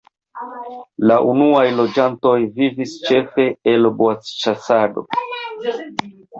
La unuaj loĝantoj vivis ĉefe el boacĉasado.